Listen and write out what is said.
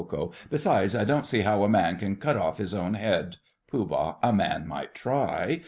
KO. Besides, I don't see how a man can cut off his own head. POOH. A man might try.